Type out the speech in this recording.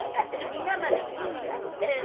皆まで言うなって。